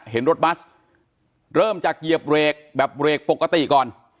เห็นรถบัสเริ่มจากเหยียบเบรกแบบเบรกปกติก่อน